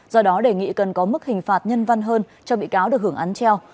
do đó đề nghị cần có mức hình phạt nhân văn hơn cho bị cáo được hưởng án treo